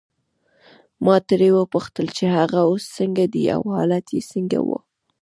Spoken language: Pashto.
ما ترې وپوښتل چې هغه اوس څنګه دی او حالت یې څنګه وو.